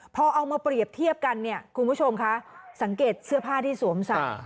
พอเอามาเปรียบเทียบกันเนี่ยคุณผู้ชมคะสังเกตเสื้อผ้าที่สวมใส่